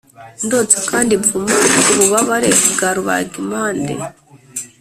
ndonsa kandi mvuma ububabare bwa rubagimpande